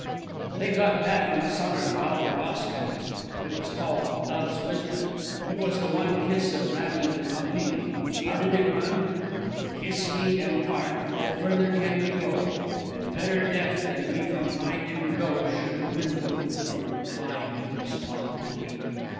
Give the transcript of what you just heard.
"They got that from a sonnet of Alfred Austin's. It was called 'Love's Wisdom.' It was the one kiss of Madeline de Maupin. How did it run? "'Kiss we and part; no further can we go; And better death than we from high to low Should dwindle, or decline from strong to weak.'